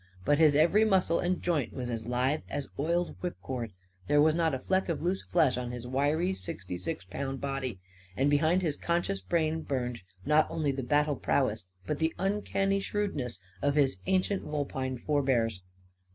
But his every muscle and joint was as lithe as oiled whipcord. There was not a fleck of loose flesh on his wiry sixty six pound body. And behind his conscious brain burned not only the battle prowess but the uncanny shrewdness of his ancient vulpine forbears.